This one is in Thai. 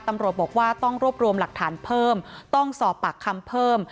ตำรวจบอกว่าต้องรวบรวมหลักฐานเพิ่มต้องสอบปากคำเพิ่ม